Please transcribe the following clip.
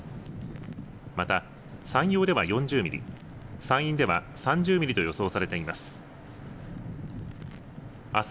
また、山陽では４０ミリ山陰では３０ミリと予想されています。